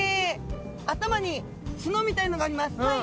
頭にツノみたいなのがあります。